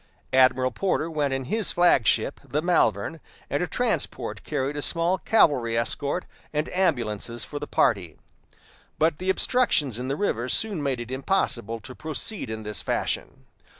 Admiral Porter went in his flag ship, the Malvern, and a transport carried a small cavalry escort and ambulances for the party. But the obstructions in the river soon made it impossible to proceed in this fashion.